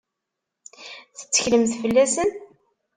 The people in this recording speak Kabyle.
Tetteklemt fell-asen?